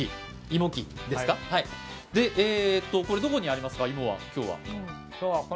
芋はどこにありますか？